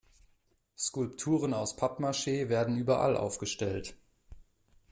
Skulpturen aus Pappmaschee werden überall aufgestellt.